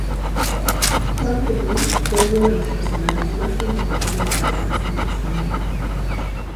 Juan Negrín fue uno de los personajes más controvertidos de la Guerra Civil Española.